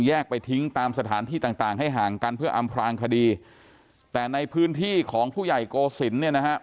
ไปทิ้งตามสถานที่ต่างต่างให้ห่างกันเพื่ออำพลางคดีแต่ในพื้นที่ของผู้ใหญ่โกศิลป์เนี่ยนะฮะ